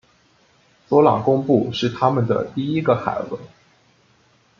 索朗贡布是他们的第一个孩子。